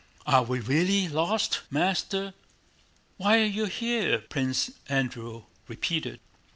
"Are we really lost? Master!..." "Why are you here?" Prince Andrew repeated.